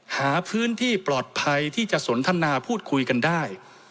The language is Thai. หาพื้นที่ปลอดภัยที่จะสนทนาพูดคุยกันได้